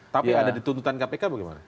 tapi ada di tuntutan kpk bagaimana